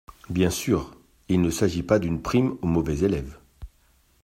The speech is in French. Bien sûr ! Il ne s’agit pas d’une prime aux mauvais élèves.